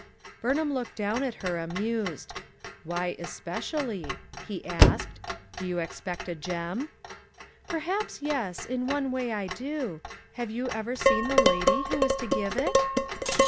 Burnham looked down on her, amused. "Why especially?" he asked. "Do you ex pect a gem?" "Perhaps, yes, in one way I do. Have you ever seen the lady who is to give it?"